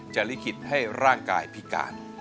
ลิขิตให้ร่างกายพิการ